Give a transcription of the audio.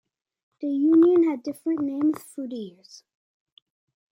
The Union had different names through the years.